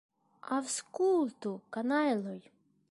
Aŭskultu, kanajloj!